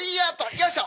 よいしょ！